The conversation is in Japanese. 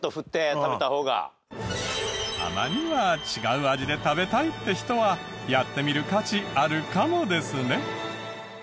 たまには違う味で食べたいって人はやってみる価値あるかもですね！